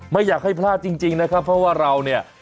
ไม่อยากให้พลาดจริงนะครับเพราะว่าเราเนี่ย